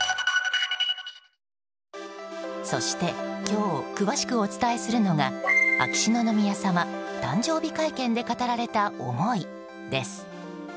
そして、今日詳しくお伝えするのが秋篠宮さま、誕生日会見で語られた思いです。